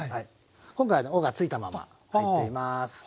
今回尾がついたまま入っています。